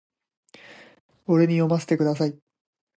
俺に読ませてください